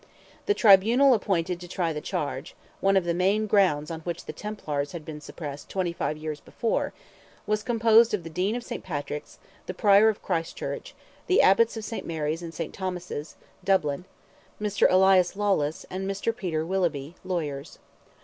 The tribunal appointed to try the charge—one of the main grounds on which the Templars had been suppressed twenty five years before—was composed of the Dean of St. Patrick's, the Prior of Christ Church, the Abbots of St. Mary's and St. Thomas's, Dublin, Mr. Elias Lawless, and Mr. Peter Willeby, lawyers.